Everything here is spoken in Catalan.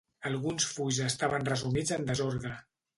Alguns fulls estaven resumits en desordre.